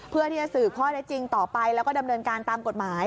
เพื่อที่จะสืบข้อได้จริงต่อไปแล้วก็ดำเนินการตามกฎหมาย